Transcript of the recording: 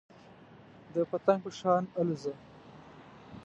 د پتنګ په شان الوځه .